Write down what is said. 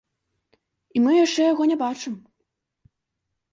І мы яшчэ яго не бачым.